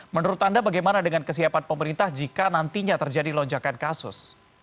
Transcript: menurut anda bagaimana dengan kesiapan pemerintah jika nantinya terjadi lonjakan kasus